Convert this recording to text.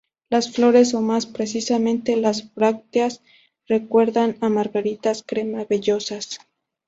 Las flores, o más precisamente las brácteas, recuerdan a margaritas crema vellosas.